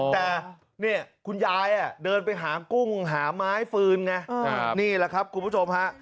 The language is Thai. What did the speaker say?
แต่เนี่ยคุณยายเดินไปหากุ้งหาไม้ฟืนไงนี่แหละครับคุณผู้ชมฮะ